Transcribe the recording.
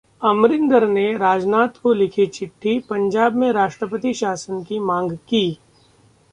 अमरिंदर ने राजनाथ को लिखी चिट्ठी, पंजाब में राष्ट्रपति शासन की मांग की